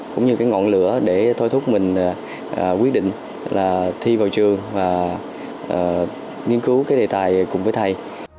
cũng như cái ngọn lửa để thôi thúc mình quyết định là thi vào trường và nghiên cứu cái đề tài cùng với thầy